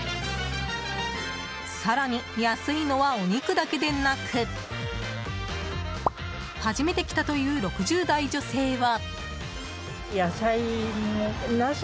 更に、安いのはお肉だけでなく初めて来たという６０代女性は。